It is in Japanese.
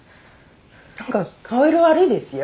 何か顔色悪いですよ。